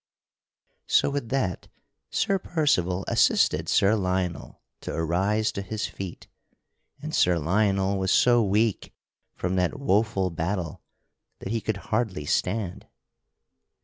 So with that Sir Percival assisted Sir Lionel to arise to his feet, and Sir Lionel was so weak from that woeful battle that he could hardly stand.